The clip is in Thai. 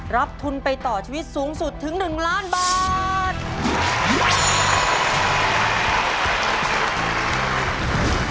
รับทุนไปต่อชีวิตสูงสุดถึง๑ล้านบาท